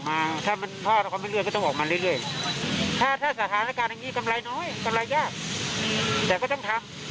แต่ก็ต้องทำ